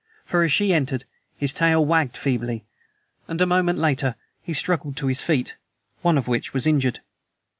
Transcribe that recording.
For, as she entered, his tail wagged feebly, and a moment later he struggled to his feet one of which was injured.